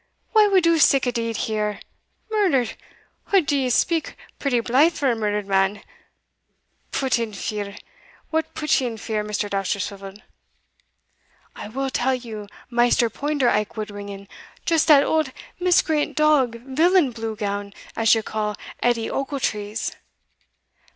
wha wad do sic a deed here? Murdered! od ye speak pretty blithe for a murdered man Put in fear! what put you in fear, Mr. Dousterswivel?" "I will tell you, Maister Poinder Aikwood Ringan, just dat old miscreant dog villain blue gown, as you call Edie Ochiltrees."